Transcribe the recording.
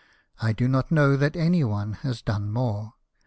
I do not know that any one has done more.